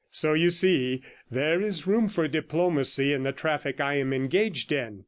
So, you see, there is room for diplomacy in the traffic I am engaged in.